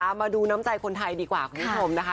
เอามาดูน้ำใจคนไทยดีกว่าคุณผู้ชมนะคะ